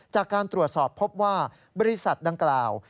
จากการตรวจสอบพบว่าบริษัทดังกล่าว